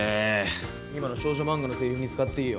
今の少女漫画のセリフに使っていいよ。